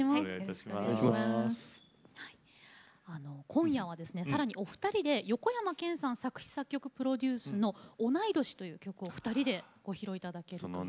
今夜はさらにお二人で横山剣さん作詞・作曲、プロデュースの「おないどし」をお二人でご披露いただきます。